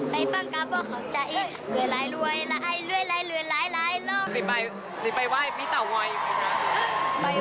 ไปว่ายกับพี่เตาไวยยยก่อนค่ะเล็วแต่ก๋วยกุ่นเดาไวยยย